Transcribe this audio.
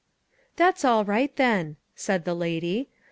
"That's all right, then," said the lady.